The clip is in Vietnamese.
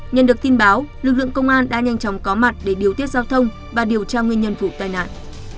nhận được tin báo lực lượng công an đã nhanh chóng có mặt để điều tiết giao thông và điều tra nguyên nhân vụ tai nạn